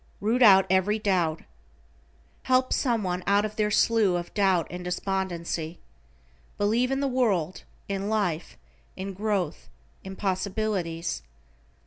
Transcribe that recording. Root out every doubt. Help someone out of their slough of doubt and despondency. Believe in the world, in life, in growth, in possibilities.